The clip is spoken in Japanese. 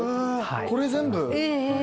これ全部？